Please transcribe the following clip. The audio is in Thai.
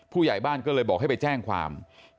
ผู้ใหญ่บ้านก็เลยบอกให้ไปแจ้งความ